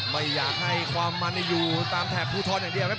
ไม่อยากให้ความมันอยู่ตามแถบภูทรอย่างเดียวครับ